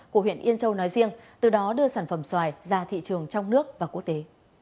của huyện yên châu nói riêng từ đó đưa sản phẩm xoài ra thị trường trong nước và quốc tế